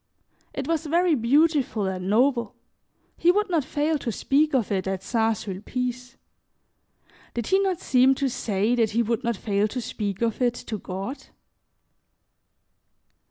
It was very beautiful and noble; he would not fail to speak of it at St. Sulpice. Did he not seem to say that he would not fail to speak of it to God?